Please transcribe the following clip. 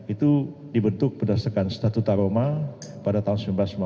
itu dibentuk berdasarkan statuta roma pada tahun seribu sembilan ratus lima puluh